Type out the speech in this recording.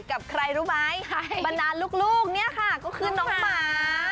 กับใครรู้ไหมบรรดาลูกเนี่ยค่ะก็คือน้องหมา